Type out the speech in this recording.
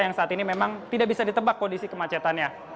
yang saat ini memang tidak bisa ditebak kondisi kemacetannya